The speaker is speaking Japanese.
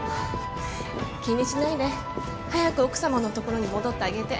気にしないで早く奥さまのところに戻ってあげて。